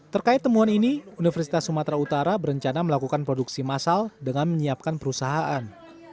terkait temuan ini universitas sumatera utara berencana melakukan produksi massal dengan menyiapkan perusahaan